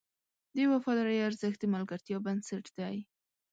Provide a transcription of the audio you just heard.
د وفادارۍ ارزښت د ملګرتیا بنسټ دی.